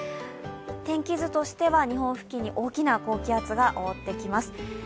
天気図としては日本付近に大きな高気圧が覆ってきます。